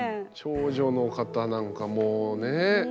長女の方なんかもうねぇ。